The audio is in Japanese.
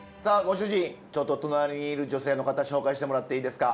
主人ちょっと隣にいる女性の方紹介してもらっていいですか？